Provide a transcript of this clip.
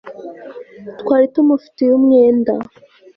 twari tumufitiye umwenda